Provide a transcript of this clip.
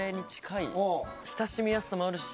親しみやすさもあるし。